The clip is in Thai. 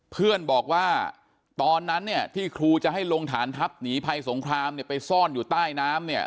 เพื่อนบอกว่าตอนนั้นเนี่ยที่ครูจะให้ลงฐานทัพหนีภัยสงครามเนี่ยไปซ่อนอยู่ใต้น้ำเนี่ย